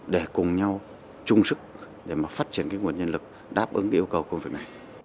để cùng nhau chung sức để mà phát triển cái nguồn nhân lực đáp ứng yêu cầu công việc này